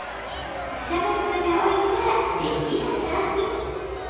冷めるまでおいたら出来上がり。